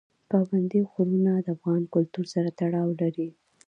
پابندی غرونه د افغان کلتور سره تړاو لري.